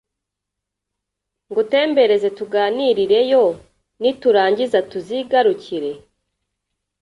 ngutembereze tuganirireyo niturangiza tuzigarukire"